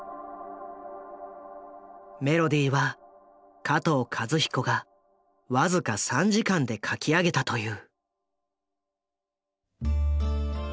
メロディーは加藤和彦がわずか３時間で書き上げたという。